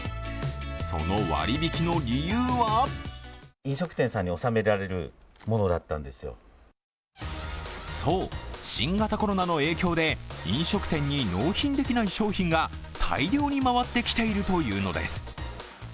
その割引の理由はそう、新型コロナの影響で飲食店に納品できない商品が大量に回ってきているというのです。